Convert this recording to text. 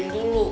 nah dia sih pak